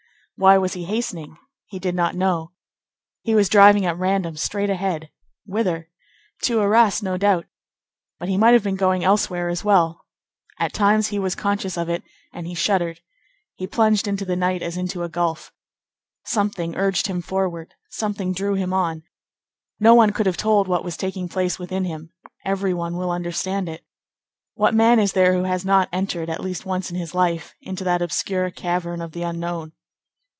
Why was he hastening? He did not know. He was driving at random, straight ahead. Whither? To Arras, no doubt; but he might have been going elsewhere as well. At times he was conscious of it, and he shuddered. He plunged into the night as into a gulf. Something urged him forward; something drew him on. No one could have told what was taking place within him; every one will understand it. What man is there who has not entered, at least once in his life, into that obscure cavern of the unknown?